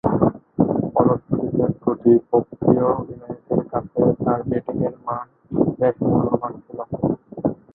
ফলশ্রুতিতে প্রতিপক্ষীয় অধিনায়কের কাছে তার ব্যাটিংয়ের মান বেশ মূল্যবান ছিল।